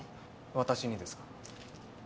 私にですか？